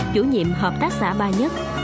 chủ nhiệm hợp tác xã ba nhất